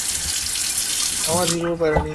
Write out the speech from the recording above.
দুজনে একবার দেখতে পারিস-- আমার হিরো পারেনি।